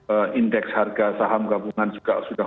ee indeks harga saham gabungan juga sudah